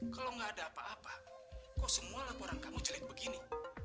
kalau gak ada apa apa kok semua laporan kamu jelit begini